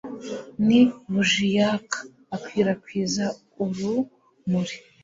ni buji yaka, ikwirakwiza urumuri